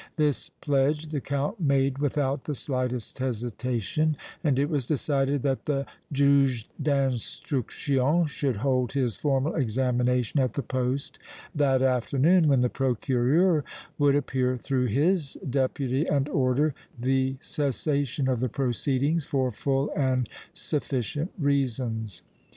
This pledge the Count made without the slightest hesitation, and it was decided that the Juge d' Instruction should hold his formal examination at the poste that afternoon, when the Procureur would appear through his Deputy and order the cessation of the proceedings for full and sufficient reasons.